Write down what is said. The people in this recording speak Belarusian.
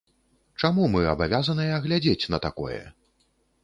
Чаму мы абавязаныя глядзець на такое?